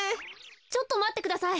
ちょっとまってください。